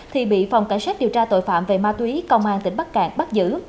thì bị phòng cảnh sát điều tra tội phạm về ma túy công an tỉnh bắc cạn bắt giữ